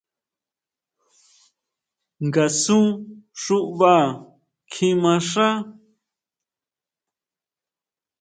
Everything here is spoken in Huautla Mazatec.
¿Ngasun xuʼbá kjimaxá?